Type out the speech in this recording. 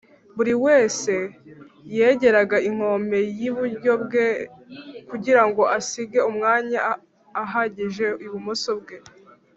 buri wese yegera inkombe y’iburyo bwe Kugirango asige Umwanya ahagije ibumoso bwe